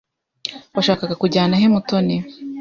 Washakaga kujyana he Mutoni?